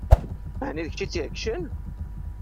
Ɛni d kečč i tt-iɛeggcen?